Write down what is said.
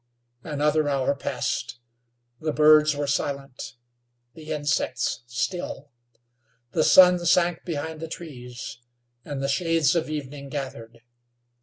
Another hour passed. The birds were silent; the insects still. The sun sank behind the trees, and the shades of evening gathered.